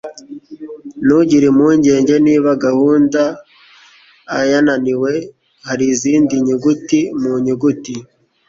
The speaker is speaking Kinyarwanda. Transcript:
ntugire impungenge niba gahunda a yananiwe, hari izindi nyuguti mu nyuguti